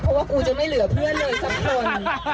เพราะว่ากูจะไม่เหลือเพื่อนเลยสักคน